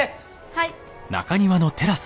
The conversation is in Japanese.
はい。